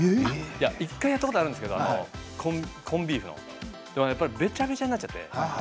いや１回やったことあるんですけれどもコンビーフのべちゃべちゃになっちゃって。